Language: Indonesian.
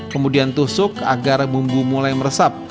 kemudian tusuk agar bumbu mulai meresap